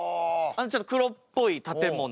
ちょっと黒っぽい建物。